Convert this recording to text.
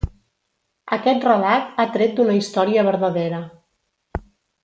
Aquest relat ha tret d'una història verdadera.